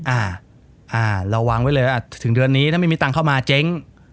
อ่าอ่าเราวางไว้เลยว่าถึงเดือนนี้ถ้าไม่มีตังค์เข้ามาเจ๊ง